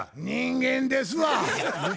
人間ですわ。